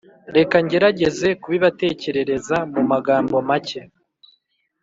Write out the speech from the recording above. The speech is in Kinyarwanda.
reka ngerageze kubibatekerereza mu magambo make,